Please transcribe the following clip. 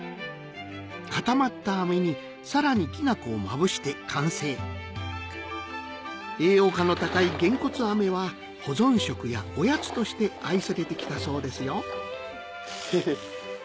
固まった飴にさらにきな粉をまぶして完成栄養価の高いげんこつ飴は保存食やおやつとして愛されてきたそうですよヘヘっ。